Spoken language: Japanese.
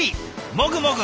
もぐもぐ！